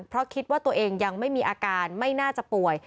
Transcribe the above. เพราะคิดว่าตัวเองยังไม่มีอาการไม่น่าจะป่วย